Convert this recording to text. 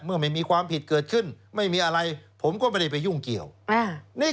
เมื่อไม่มีความผิดเกิดขึ้น